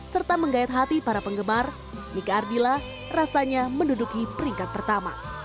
serta menggayat hati para penggemar mika ardila rasanya menduduki peringkat pertama